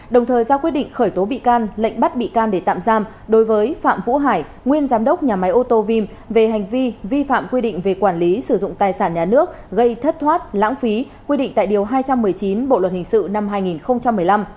đồng thời ra quyết định khởi tố bị can lệnh bắt bị can để tạm giam đối với phạm vũ hải nguyên giám đốc nhà máy ô tô vim về hành vi vi phạm quy định về quản lý sử dụng tài sản nhà nước gây thất thoát lãng phí quy định tại điều hai trăm một mươi chín bộ luật hình sự năm hai nghìn một mươi năm